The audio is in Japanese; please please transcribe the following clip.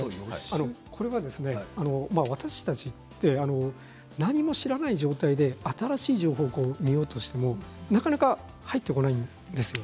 私たちは何も知らない状態で新しい情報を入れようとしてもなかなか入ってこないんです。